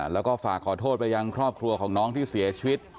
แล้วก็ฝากขอโทษไปยังครอบครัวของน้องที่เสียชีวิต